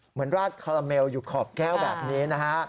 ราดคาราเมลอยู่ขอบแก้วแบบนี้นะฮะ